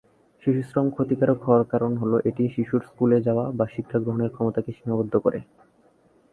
শিশুশ্রম ক্ষতিকারক হওয়ার কারণ হলো, এটি শিশুর স্কুলে যাওয়া বা শিক্ষা গ্রহণের ক্ষমতাকে সীমাবদ্ধ করে।